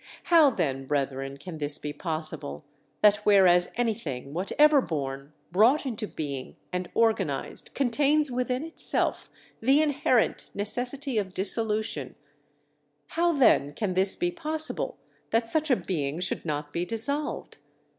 How then, brethren, can this be possible that whereas anything whatever born, brought into being, and organized contains within itself the inherent necessity of dissolution how then can this be possible that such a being should not be dissolved?